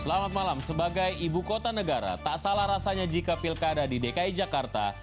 selamat malam sebagai ibu kota negara tak salah rasanya jika pilkada di dki jakarta